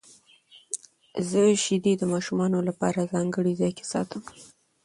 زه شیدې د ماشومانو لپاره ځانګړي ځای کې ساتم.